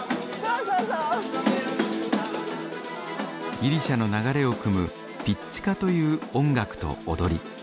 ギリシャの流れをくむピッツィカという音楽と踊り。